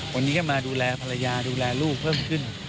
วันนี้ก็มาดูแลภรรยาดูแลลูกเพิ่มขึ้น